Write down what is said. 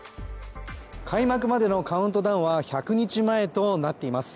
開幕までのカウントダウンは１００日前となっています。